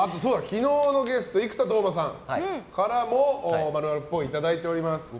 昨日のゲスト生田斗真さんからも○○っぽいいただいています。